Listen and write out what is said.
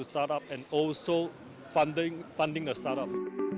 untuk startup dan juga untuk memperkenalkan startup